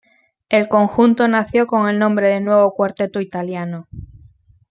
El conjunto nació con el nombre de "Nuevo Cuarteto Italiano.